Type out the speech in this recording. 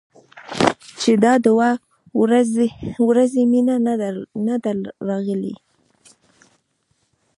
چې دا دوه ورځې مينه نه ده راغلې.